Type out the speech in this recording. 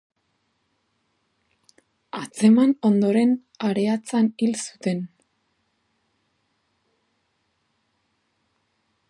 Atzeman ondoren Areatzan hil zuten.